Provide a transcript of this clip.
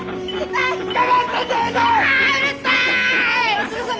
うるさい！